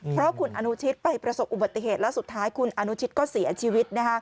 เพราะคุณอนุชิตไปประสบอุบัติเหตุแล้วสุดท้ายคุณอนุชิตก็เสียชีวิต